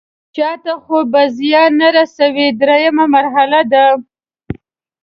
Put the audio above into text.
چاته خو به زیان نه رسوي دریمه مرحله ده.